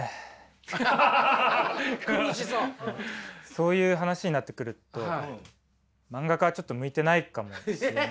そういう話になってくると漫画家はちょっと向いてないかもしれない。